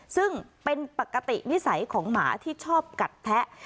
ซึ่งเป็นปกตินิสัยของหมาที่ชอบกัดแทะ